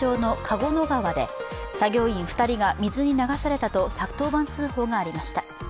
合野川で作業員２人が水に流されたと１１０番通報がありました。